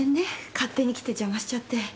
勝手に来て邪魔しちゃって。